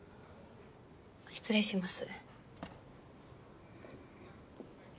失礼します。